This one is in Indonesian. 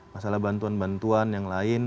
masalah bantuan bantuan yang lain